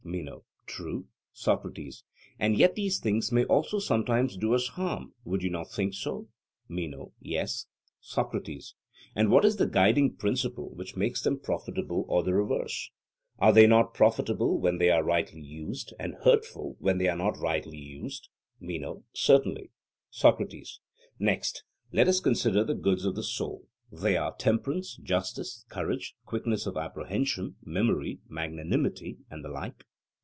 MENO: True. SOCRATES: And yet these things may also sometimes do us harm: would you not think so? MENO: Yes. SOCRATES: And what is the guiding principle which makes them profitable or the reverse? Are they not profitable when they are rightly used, and hurtful when they are not rightly used? MENO: Certainly. SOCRATES: Next, let us consider the goods of the soul: they are temperance, justice, courage, quickness of apprehension, memory, magnanimity, and the like?